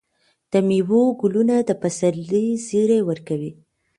د میوو ګلونه د پسرلي زیری ورکوي.